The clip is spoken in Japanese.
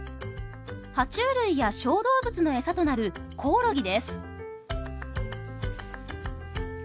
は虫類や小動物のエサとなるコオロギです。